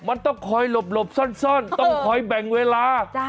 มันต้องคอยหลบซ่อนต้องคอยแบ่งเวลา